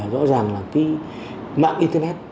rõ ràng là cái mạng internet